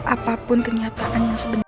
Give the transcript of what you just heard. apapun kenyataan yang sebenarnya